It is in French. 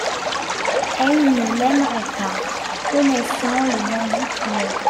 «Elle ne l'aimerait pas, connaissant le bandit qu'il est.